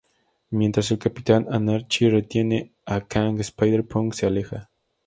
Mientras el Capitán Anarchy retiene a Kang, Spider-Punk se aleja.